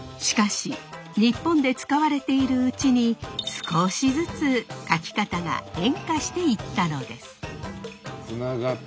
しかし日本で使われているうちに少しずつ書き方が変化していったのです。